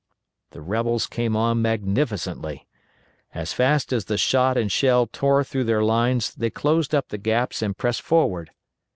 The rebels came on magnificently. As fast as the shot and shell tore through their lines they closed up the gaps and pressed forward.